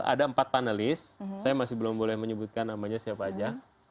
ada empat panelis saya masih belum boleh menyebutkan namanya siapa saja